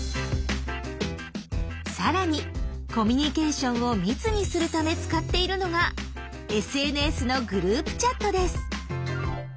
更にコミュニケーションを密にするため使っているのがＳＮＳのグループチャットです。